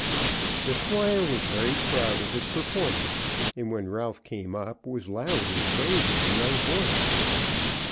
The Squire was very proud of his performance, and, when Ralph came up, was loud in praise of the young horse.